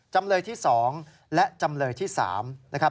จำเลยที่๒และจำเลยที่๓นะครับ